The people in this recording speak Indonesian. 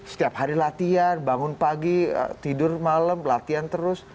setiap hari latihan bangun pagi tidur malam latihan terus